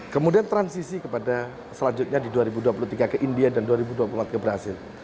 kemudian transisi selanjutnya di dua ribu dua puluh tiga ke india dan dua ribu dua puluh empat ke brazil